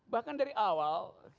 bahkan dari awal